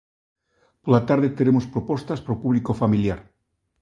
Pola tarde teremos propostas para o público familiar.